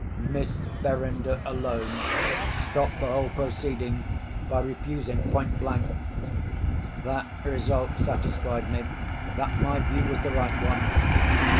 Miss Verinder alone stopped the whole proceeding by refusing point blank. That result satisfied me that my view was the right one.